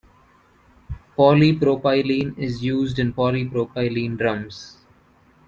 Polypropylene is used in polypropylene drums.